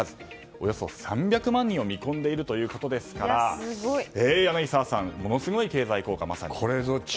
およそ３００万人を見込んでいるということですから柳澤さん、ものすごい経済効果。